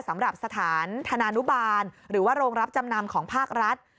สำหรับสถานธนานุบาลหรือว่าโรงรับจำนำของภาครัฐ